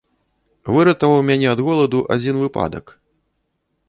Выратаваў мяне ад голаду адзін выпадак.